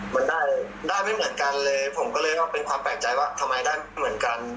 มันด้านไม่เหมือนกันเลยผมก็เลยเป็นความแปลกใจว่าทำไมด้านไม่เหมือนกัน